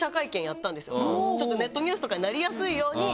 ちょっとネットニュースとかになりやすいように。